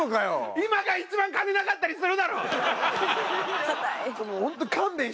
今が一番金なかったりするだろ！硬い。